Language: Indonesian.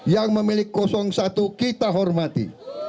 yang memiliki satu kita hormati